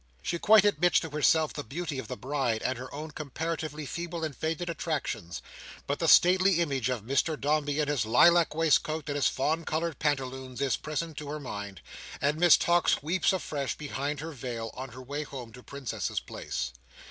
She quite admits to herself the beauty of the bride, and her own comparatively feeble and faded attractions; but the stately image of Mr Dombey in his lilac waistcoat, and his fawn coloured pantaloons, is present to her mind, and Miss Tox weeps afresh, behind her veil, on her way home to Princess's Place.